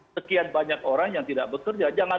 sekian banyak orang yang tidak bekerja jangan